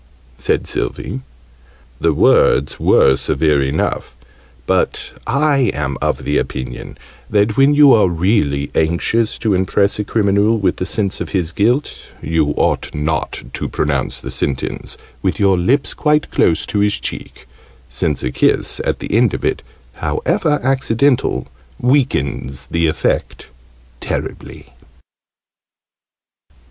said Sylvie. The words were severe enough, but I am of opinion that, when you are really anxious to impress a criminal with a sense of his guilt, you ought not to pronounce the sentence with your lips quite close to his cheek since a kiss at the end of it, however accidental, weakens the effect terribly.